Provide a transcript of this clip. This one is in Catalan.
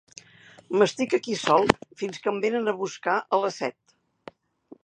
M'estic aquí sol fins que em venen a buscar a les set.